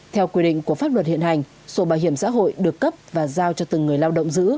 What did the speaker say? theo quy định của pháp luật hiện hành sổ bảo hiểm xã hội được cấp và giao cho từng người lao động giữ